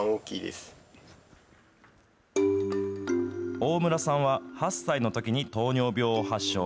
大村さんは８歳のときに糖尿病を発症。